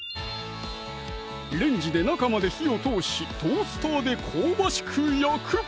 レンジで中まで火を通しトースターで香ばしく焼く